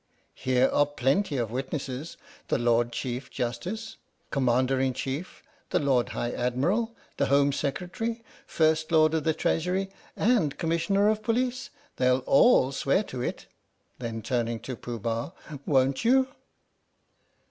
Here are plenty of witnesses the Lord Chief Justice, Commander in Chief, the Lord High Admiral, the Home Secretary, First Lord of the Treasury, and Commissioner of Police. They'll all swear to it [then turning to Pooh Bah], won't you?"